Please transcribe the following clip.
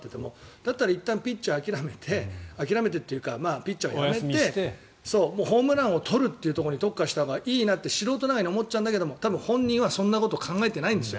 だったら、いったんピッチャーを諦めて諦めてというかピッチャーをやめてホームランを取るっていうところに特化したほうがいいなって素人ながらに思うんだけど多分、本人はそんなこと考えていないんですよ。